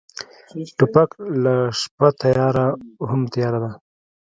توپک له شپه تیاره هم تیاره دی.